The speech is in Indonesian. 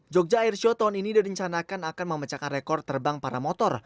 jogja airshow tahun ini direncanakan akan memecahkan rekor terbang para motor